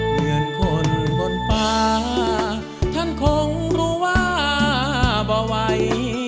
เหมือนคนบนป่าท่านคงรู้ว่าบ่ไหว